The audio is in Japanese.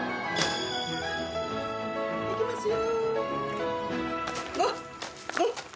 行きますよ。